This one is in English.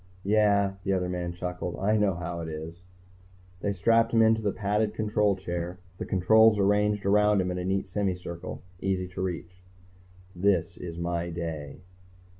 "Yeah," the other man chuckled. "I know how it is." They strapped him into the padded control chair, the controls arranged around him in a neat semicircle, easy to reach. _This is my day.